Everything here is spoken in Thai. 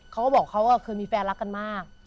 เขาก็บอกเขาเคยมีแฟนรักกันมาก